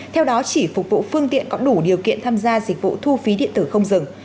theo đó chỉ phục vụ phương tiện có đủ điều kiện tham gia dịch vụ thu phí điện tử không dừng